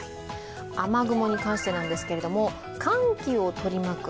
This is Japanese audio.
雨雲に関してなんですけども、寒気を取り巻く